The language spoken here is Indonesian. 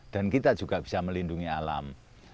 dan kita juga bisa melindungi alam